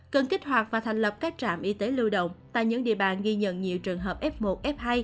cần kích hoạt và thành lập các trạm y tế lưu động tại những địa bàn ghi nhận nhiều trường hợp f một f hai